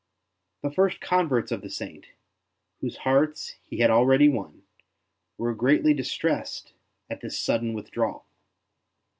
The first converts of the Saint, whose hearts he had already won, were greatly distressed at this sudden withdrawal.